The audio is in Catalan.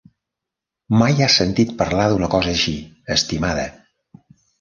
Mai has sentit parlar d'una cosa així, estimada!